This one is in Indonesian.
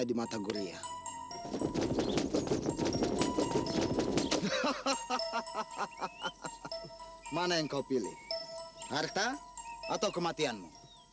hahaha mana yang kau pilih harta atau kematianmu